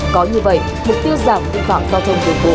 có như vậy mục tiêu giảm tình phạm giao thông đường bộ